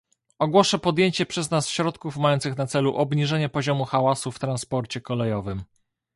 Ogłoszę podjęcie przez nas środków mających na celu obniżenie poziomu hałasu w transporcie kolejowym